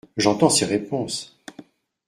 J’entends ces réponses.